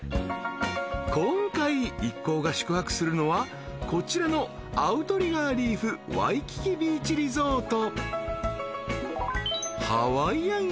［今回一行が宿泊するのはこちらのアウトリガー・リーフ・ワイキキ・ビーチ・リゾート］